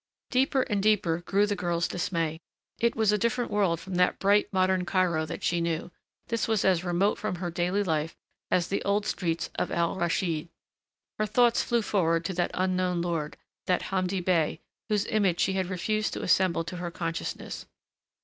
Deeper and deeper grew the girl's dismay. It was a different world from that bright, modern Cairo that she knew; this was as remote from her daily life as the old streets of Al Raschid. Her thoughts flew forward to that unknown lord, that Hamdi Bey, whose image she had refused to assemble to her consciousness.